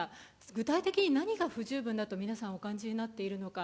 具体的に何が不十分だと、皆さん、お感じになっているのか。